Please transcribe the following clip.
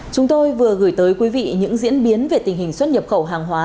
chúng tôi vừa gửi tới quý vị những diễn biến về tình hình xuất nhập khẩu hàng hóa